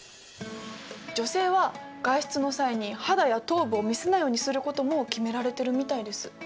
女性は外出の際に肌や頭部を見せないようにすることも決められてるみたいです。